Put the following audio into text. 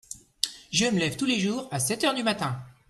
je me lève tous les jours à sept heures du matin.